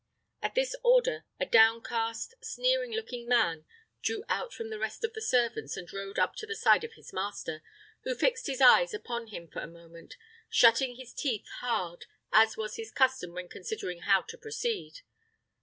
At this order, a downcast, sneering looking man drew out from the rest of the servants and rode up to the side of his master, who fixed his eyes upon him for a moment, shutting his teeth hard, as was his custom when considering how to proceed.